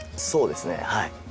そうですねはい。